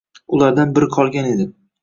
Ulardan biri qolgan edi.